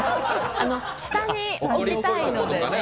下に置きたいので。